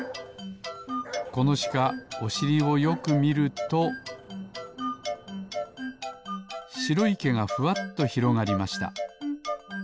このしかおしりをよくみるとしろいけがふわっとひろがりました。